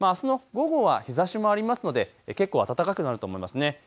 あすの午後は日ざしもありますので結構暖かくなると思いますね。